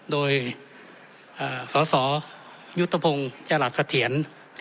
โดยอ่าสอสอยุธพงษ์จะหลัดเสถียร